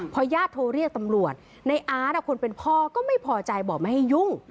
พอญาติโทรเรียกตำรวจในอาร์ตคนเป็นพ่อก็ไม่พอใจบอกไม่ให้ยุ่ง